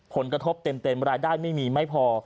ผลกระทบเต็มรายได้ไม่มีไม่พอ